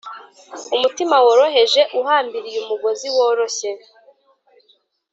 umutima woroheje uhambiriye umugozi woroshye